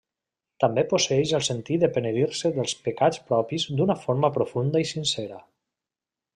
També posseeix el sentit de penedir-se dels pecats propis d'una forma profunda i sincera.